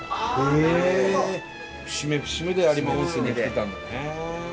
節目節目で有馬温泉に来てたんだね。